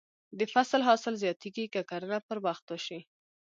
د فصل حاصل زیاتېږي که کرنه پر وخت وشي.